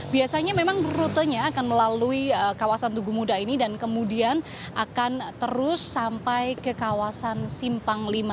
biasanya memang rutenya akan melalui kawasan tugu muda ini dan kemudian akan terus sampai ke kawasan simpang lima